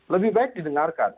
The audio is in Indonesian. lebih baik didengarkan